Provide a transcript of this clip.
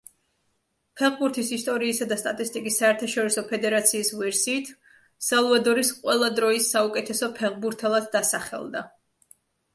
ფეხბურთის ისტორიისა და სტატისტიკის საერთაშორისო ფედერაციის ვერსიით სალვადორის ყველა დროის საუკეთესო ფეხბურთელად დასახელდა.